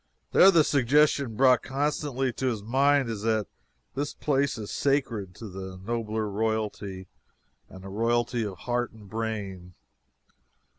There the suggestion brought constantly to his mind is, that this place is sacred to a nobler royalty the royalty of heart and brain.